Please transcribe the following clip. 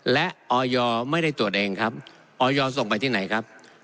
และออยไม่ได้ตรวจเองครับออยส่งไปที่ไหนครับ